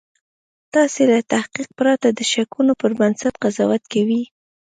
تاسې له تحقیق پرته د شکونو پر بنسټ قضاوت کوئ